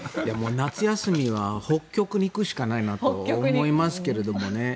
夏休みは北極に行くしかないと思いますけれどもね。